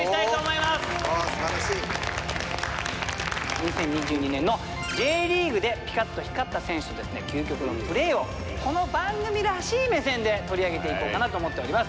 ２０２２年のＪリーグでピカッと光った選手の究極のプレーをこの番組らしい目線で取り上げていこうかなと思っております。